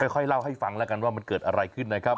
ค่อยเล่าให้ฟังแล้วกันว่ามันเกิดอะไรขึ้นนะครับ